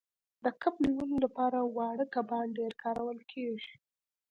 د کب نیولو لپاره واړه کبان ډیر کارول کیږي